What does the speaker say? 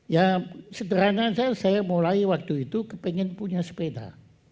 ya sederhana saya mulai waktu itu kepengen punya sepeda